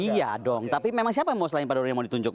iya dong tapi memang siapa selain pak doni yang mau ditunjuk